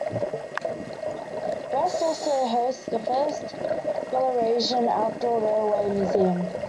Brest also hosts the first Belarusian outdoor railway museum.